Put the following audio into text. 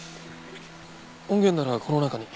音源ならこの中に。